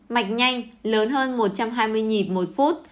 mạch nhanh lớn hơn một trăm hai mươi nhịp một phút